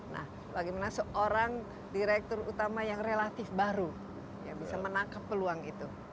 nah bagaimana seorang direktur utama yang relatif baru bisa menangkap peluang itu